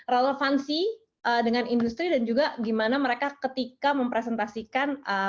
relevansi dengan industri dan juga gimana mereka ketika mempresentasikan